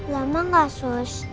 lama gak sus